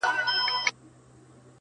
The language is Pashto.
په دې ښار کي په سلگونو یې خپلوان وه!